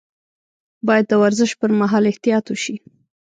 باید د ورزش پر مهال احتیاط وشي.